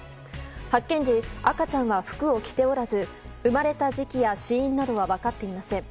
発見時、赤ちゃんは服を着ておらず生まれた時期や死因などは分かっていません。